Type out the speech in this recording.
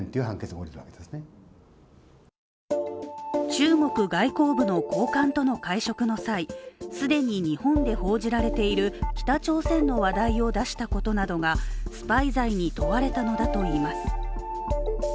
中国外交部の高官との会食の際、既に日本で報じられている北朝鮮の話題を出したことなどがスパイ罪に問われたのだといいます。